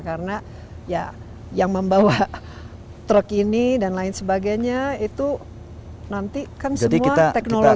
karena ya yang membawa truk ini dan lain sebagainya itu nanti kan semua teknologinya beda